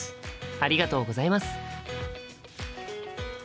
ありがとうございます。